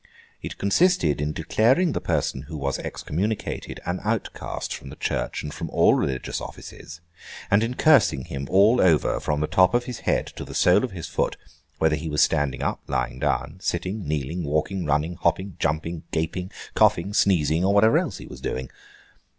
It consisted in declaring the person who was excommunicated, an outcast from the Church and from all religious offices; and in cursing him all over, from the top of his head to the sole of his foot, whether he was standing up, lying down, sitting, kneeling, walking, running, hopping, jumping, gaping, coughing, sneezing, or whatever else he was doing.